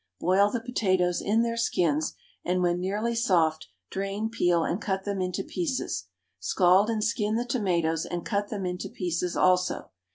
Boil the potatoes in their skins, and when nearly soft drain, peel, and cut them into pieces, scald and skin the tomatoes and cut them into pieces also.